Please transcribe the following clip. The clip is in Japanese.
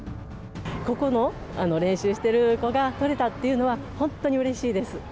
ここの練習してる子がとれたっていうのは、本当にうれしいです。